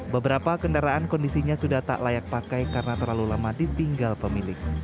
beberapa kendaraan kondisinya sudah tak layak pakai karena terlalu lama ditinggal pemilik